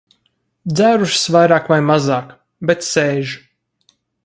Dzērušas vairāk vai mazāk, bet sēž.